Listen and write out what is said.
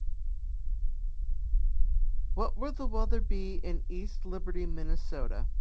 What will the weather be in East Liberty Minnesota?